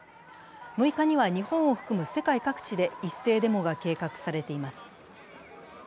６日には日本を含む世界各地で一斉デモが計画されています。